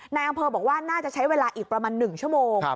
นายอำเภอบอกว่าน่าจะใช้เวลาอีกประมาณ๑ชั่วโมง